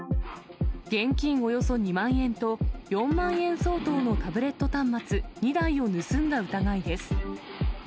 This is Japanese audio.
現金およそ２万円と、４万円相当のタブレット端末２台を盗んだ疑いです。